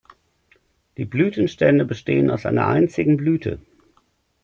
Die Blütenstände bestehen aus einer einzigen Blüte.